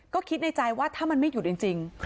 ก็คิดในใจว่าถ้ามันไม่หยุดจริง